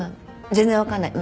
全然わかんない。